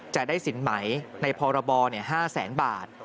จะได้สินไหมในพรบ๕แสนบาท